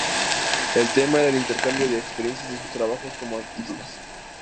El tema era el intercambio de experiencias de sus trabajos como artistas.